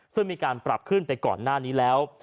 ซึ่งมีการปรับขึ้นไปก่อนหน้านี้แล้ว